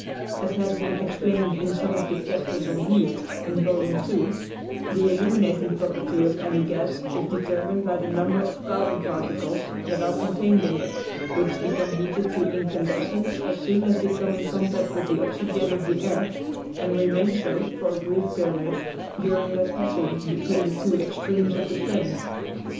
As has been explained in some of the chapters on heat, in Volume II, the illuminating property of any gas is determined by the number of carbon particles that are contained in it, which become heated to incandescence as soon as they come in contact with the oxygen of the air, and remain so, for a brief period, during their passage between the two extremes of the flame.